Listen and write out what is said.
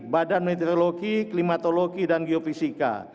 badan meteorologi klimatologi dan geofisika